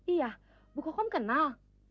iya bu kokom kenal